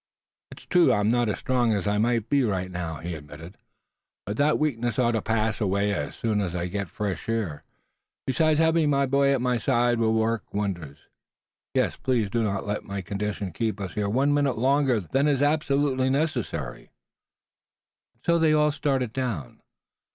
"It's true that I'm not as strong as I might be right now," he admitted; "but that weakness ought to pass away as I get the fresh air. Besides, having my boy at my side will work wonders. Yes, please do not let my condition keep us here one minute longer than is absolutely necessary." And so they all started down.